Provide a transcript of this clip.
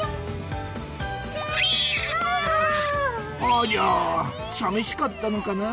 ありゃ寂しかったのかな？